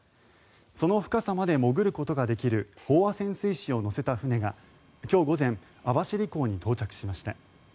その深さまで潜ることができる飽和潜水士を乗せた船が今日午前網走港に到着しました。